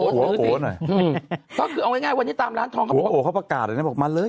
รู้ก็ซื้อวันนี้ตามร้านทองคนเต็มเลย